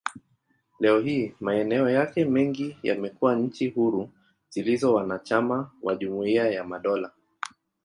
Leo hii, maeneo yake mengi yamekuwa nchi huru zilizo wanachama wa Jumuiya ya Madola.